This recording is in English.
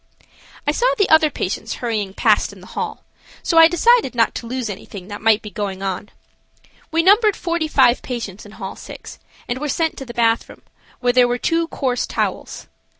I saw the other patients hurrying past in the hall, so I decided not to lose anything that might be going on. We numbered forty five patients in Hall 6, and were sent to the bathroom, where there were two coarse towels.